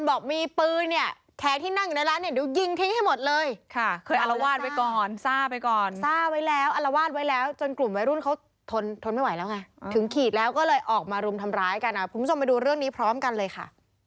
ออกมารุมทำร้ายกันนะครับคุณผู้ชมไปดูเรื่องนี้พร้อมกันเลยค่ะ